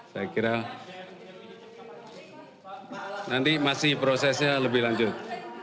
saya kira nanti masih prosesnya lebih lanjut